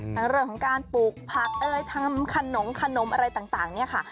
ทั้งเรื่องของการปลูกผักเอยทำขนมขนมอะไรต่างเนี่ยค่ะ